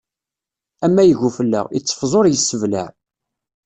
Amayeg ufella, iteffeẓ ur yesseblaɛ.